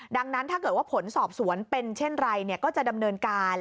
ดังนั้นถ้าเกิดว่าผลสอบสวนเป็นเช่นไรก็จะดำเนินการ